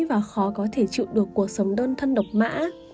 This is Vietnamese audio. và khó có thể chịu được cuộc sống đơn thân độc mã